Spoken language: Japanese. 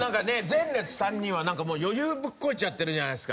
前列３人は余裕ぶっこいちゃってるじゃないですか。